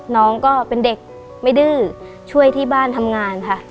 น้องก็เป็นเด็กไม่ดื้อช่วยที่บ้านทำงานค่ะ